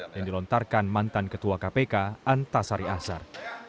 yang dilontarkan mantan ketua kpk antasari azhar